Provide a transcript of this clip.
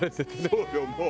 そうよもう。